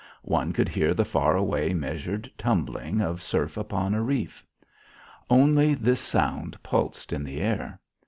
One could hear the far away measured tumbling of surf upon a reef. Only this sound pulsed in the air.